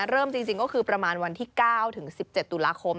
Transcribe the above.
เริ่มจริงก็คือประมาณวันที่๙ถึง๑๗ตุลาคม